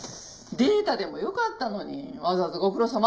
データでもよかったのにわざわざご苦労さま。